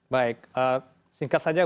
baik singkat saja